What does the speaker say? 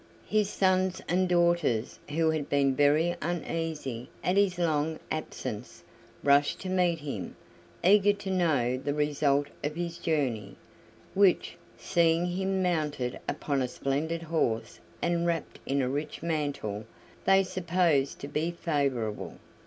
His sons and daughters, who had been very uneasy at his long absence, rushed to meet him, eager to know the result of his journey, which, seeing him mounted upon a splendid horse and wrapped in a rich mantle, they supposed to be favorable.